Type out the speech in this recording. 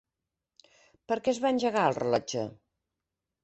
Per què es va engegar el rellotge?